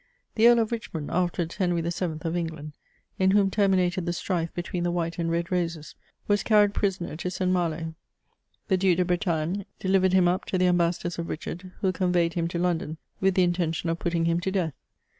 The Earl of Richmond, afterwards Henry VH. of England, in whom terminated the strife between the white and red roses, was carried prisoner to St, Malo. The Duke de Bretagne delivered him up to the Ambassadors of Richard, who con veyed him to London with the intention of putting him to death.